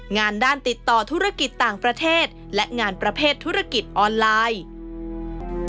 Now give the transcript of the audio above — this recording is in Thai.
งานด้านติดต่อธุรกิจต่างประเทศและงานประเภทธุรกิจออนไลน์